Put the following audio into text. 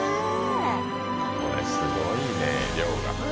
これすごいね量が。